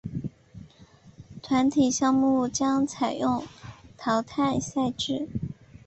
团体项目将采用淘汰赛制。